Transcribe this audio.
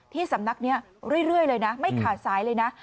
ที่สำนักนี้เรื่อยเลยนะไม่ขาดสายเลยนะ